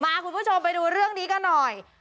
คุณผู้ชมไปดูเรื่องนี้กันหน่อย